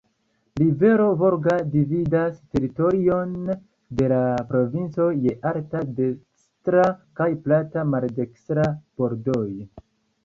Rivero Volga dividas teritorion de la provinco je alta dekstra kaj plata maldekstra bordoj.